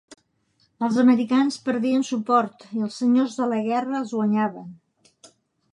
Els americans perdien suport i els senyors de la guerra els guanyaven.